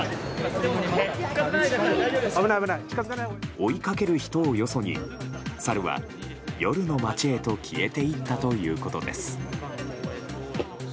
追いかける人をよそにサルは夜の街へと消えていったということです。